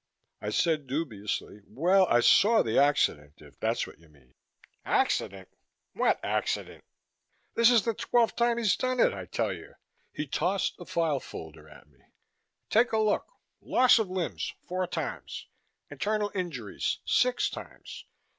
I said dubiously, "Well, I saw the accident, if that's what you mean." "Accident! What accident? This is the twelfth time he's done it, I tell you." He tossed a file folder at me. "Take a look! Loss of limbs four times. Internal injuries six times.